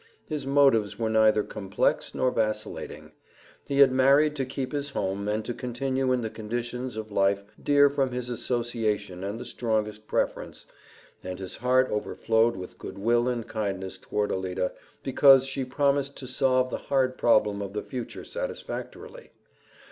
His motives were neither complex nor vacillating. He had married to keep his home and to continue in the conditions of life dear from association and the strongest preference, and his heart overflowed with good will and kindness toward Alida because she promised to solve the hard problem of the future satisfactorily.